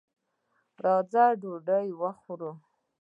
راځه ډوډۍ وخورو.